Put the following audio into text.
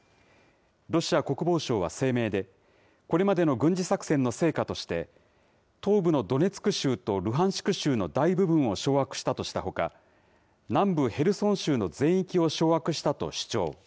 ロシア国防省は声明で、これまでの軍事作戦の成果として、東部のドネツク州とルハンシク州の大部分を掌握したとしたほか、南部ヘルソン州の全域を掌握したと主張。